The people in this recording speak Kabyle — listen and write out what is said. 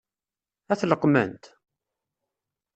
Ad t-leqqment?